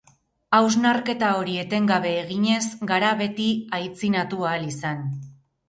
Hausnarketa hori etengabe eginez gara beti aitzinatu ahal izan.